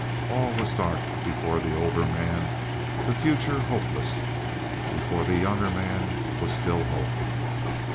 All was dark before the older man—the future hopeless. Before the younger man was still hope.